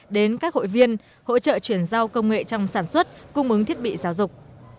đến các hội viên hỗ trợ chuyển giao công nghệ trong sản xuất cung ứng thiết bị giáo dục